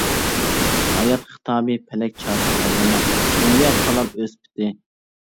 ھايات خىتابى پەلەك چاقى ئايلىنار، دۇنيا قالار ئۆز پېتى.